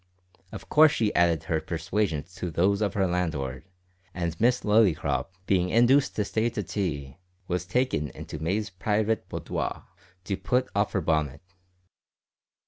Of course she added her persuasions to those of her landlord, and Miss Lillycrop, being induced to stay to tea, was taken into May's private boudoir to put off her bonnet.